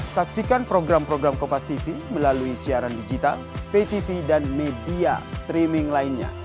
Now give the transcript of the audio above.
saksikan program program kompastv melalui siaran digital ptv dan media streaming lainnya